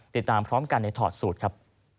ติดตามพร้อมกันในถอดสูตรครับ